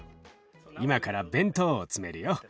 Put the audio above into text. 今から弁当を詰めるよ。